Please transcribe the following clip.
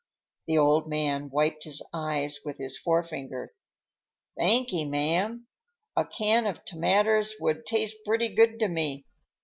The old man wiped his eyes with his forefinger. "Thank 'ee, ma'am. A can of tomatters will taste pretty good to me.